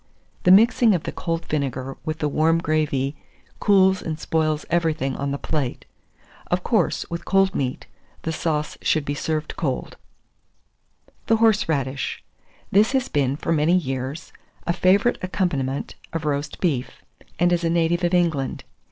The mixing of the cold vinegar with the warm gravy cools and spoils everything on the plate. Of course, with cold meat, the sauce should be served cold. [Illustration: THE HORSERADISH.] THE HORSERADISH. This has been, for many years, a favourite accompaniment of roast beef, and is a native of England.